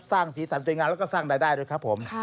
สีสันสวยงามแล้วก็สร้างรายได้ด้วยครับผม